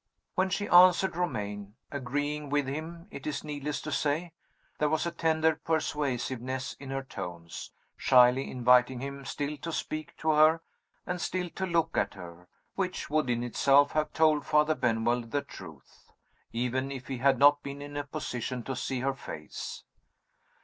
When she answered Romayne (agreeing with him, it is needless to say), there was a tender persuasiveness in her tones, shyly inviting him still to speak to her and still to look at her, which would in itself have told Father Benwell the truth, even if he had not been in a position to see her face.